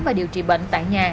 và điều trị bệnh tại nhà